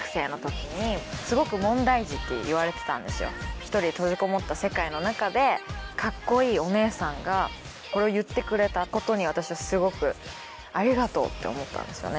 一人閉じこもった世界の中でカッコいいお姉さんがこれを言ってくれたことに私はすごくありがとうって思ったんですよね。